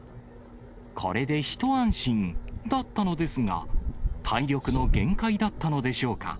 これで一安心だったのですが、体力の限界だったのでしょうか。